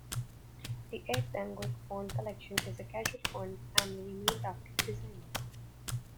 The Ed Benguiat Font Collection is a casual font family named after the designer.